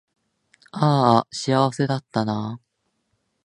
あーあ幸せだったなー